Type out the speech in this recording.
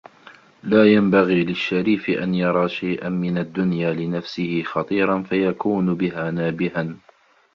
لَا يَنْبَغِي لِلشَّرِيفِ أَنْ يَرَى شَيْئًا مِنْ الدُّنْيَا لِنَفْسِهِ خَطِيرًا فَيَكُونُ بِهَا نَابِهًا